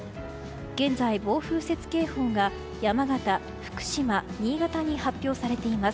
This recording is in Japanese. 現在、暴風雪警報が山形、福島、新潟に発表されています。